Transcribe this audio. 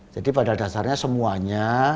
jadi pada dasarnya semuanya